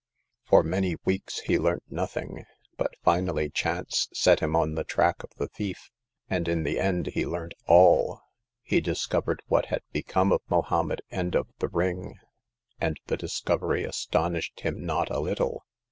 For many weeks he learnt nothing ; but finally chance set him on the track of the thief, and in the end he learnt all. He discovered what had become of Mohommed and of the ring ; and the discovery astonished him not a little.